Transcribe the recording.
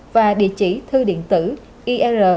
và địa chỉ thư điện tử ir